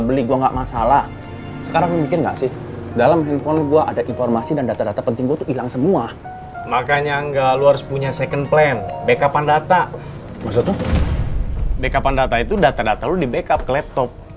backupan data itu data data lu di backup ke laptop